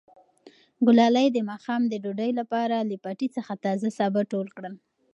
ګلالۍ د ماښام د ډوډۍ لپاره له پټي څخه تازه سابه ټول کړل.